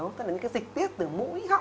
tức là những dịch tiết từ mũi hậu